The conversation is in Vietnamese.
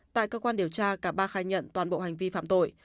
tại cơ quan điều tra cả ba khai nhận toàn bộ hành vi phạm tội